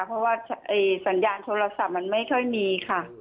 เพราะว่าสัญญาณโทรศัพท์มันไม่ค่อยมีค่ะ